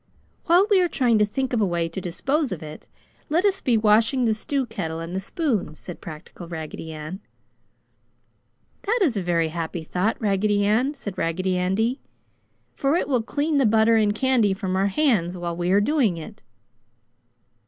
"While we are trying to think of a way to dispose of it, let us be washing the stew kettle and the spoon!" said practical Raggedy Ann. "That is a very happy thought, Raggedy Ann!" said Raggedy Andy. "For it will clean the butter and candy from our hands while we are doing it!"